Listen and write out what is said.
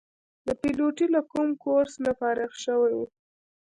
د پیلوټۍ له کوم کورس نه فارغ شوي وو.